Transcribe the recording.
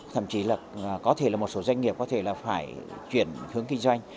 thậm chí là có thể là một số doanh nghiệp có thể là phải chuyển hướng kinh doanh